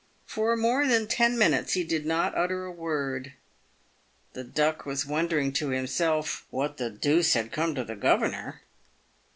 Eor more than ten minutes he did not utter a word. The Duck was wondering to himself " what the doose had come to the governor."